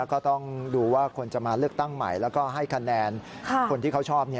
ก็ต้องดูว่าคนจะมาเลือกตั้งใหม่แล้วก็ให้คะแนนคนที่เขาชอบ